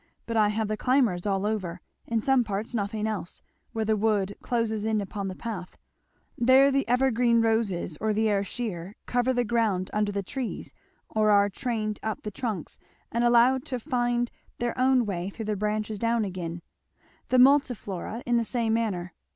But I have the climbers all over in some parts nothing else, where the wood closes in upon the path there the evergreen roses or the Ayrshire cover the ground under the trees, or are trained up the trunks and allowed to find their own way through the branches down again the Multiflora in the same manner.